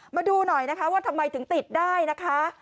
มาดูหน่อยนะคะว่าทำไมถึงติดได้นะคะ